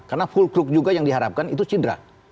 karena full crook juga yang diharapkan itu cidra